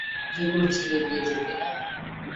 তুমি তো যেকোনো ছেলেই পেয়ে যেতে না।